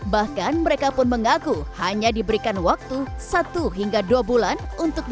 bahkan mereka pun mengaku hanya diberikan waktu satu hingga dua bulan